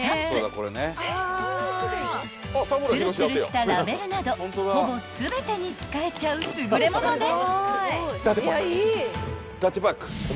［ツルツルしたラベルなどほぼ全てに使えちゃう優れものです］